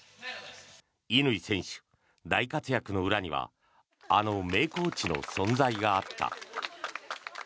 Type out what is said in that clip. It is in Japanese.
乾選手、大活躍の裏にはあの名コーチの存在があった。